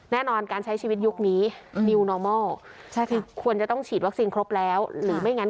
แน่นอนการใช้ชีวิตยุคนี้นิวนอร์มอลคือควรจะต้องฉีดวัคซีนครบแล้วหรือไม่งั้น